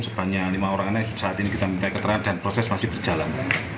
sebanyak lima orang anak saat ini kita minta keterangan dan proses masih berjalan